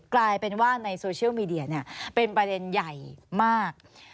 กลายเป็นว่าในโซเชียลมีเดียเป็นประเด็นใหญ่มาก